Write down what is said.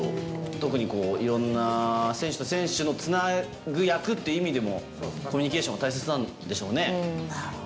特にこう、いろんな選手と選手のつなぐ役っていう意味でも、コミュニケーションは大切なんでしょうね。